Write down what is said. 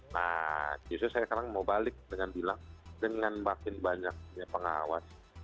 nah justru saya sekarang mau balik dengan bilang dengan makin banyak pengawas